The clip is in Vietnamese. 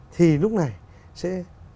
thì lúc này sẽ